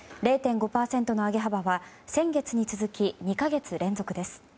０．５％の上げ幅は、先月に続き２か月連続です。